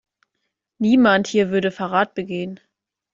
Niemand hier würde Verrat begehen.